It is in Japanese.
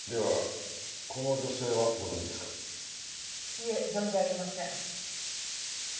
いえ存じ上げません。